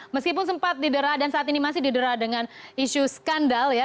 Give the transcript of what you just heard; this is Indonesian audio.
meskipun sempat didera dan saat ini masih didera dengan isu skandal ya